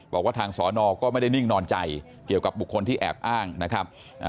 บอกว่าทางสอนอก็ไม่ได้นิ่งนอนใจเกี่ยวกับบุคคลที่แอบอ้างนะครับ